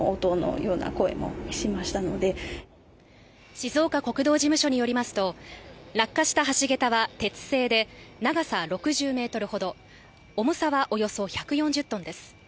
静岡国道事務所によりますと、落下した橋げたは鉄製で、長さ６０ｍほど重さはおよそ１４０ｔです。